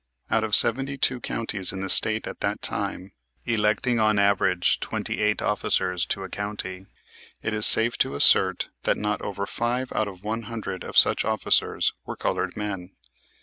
Out of seventy two counties in the State at that time, electing on an average twenty eight officers to a county, it is safe to assert that not over five out of one hundred of such officers were colored men.